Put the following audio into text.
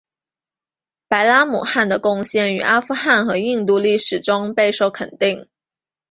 白拉姆汗的贡献于阿富汗和印度历史中备受肯定。